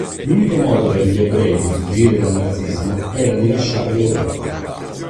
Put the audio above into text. L'unico modo per gli ebrei di fuggire dal nazismo era di lasciare l'Europa.